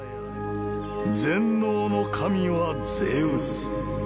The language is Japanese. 全能の神はゼウス。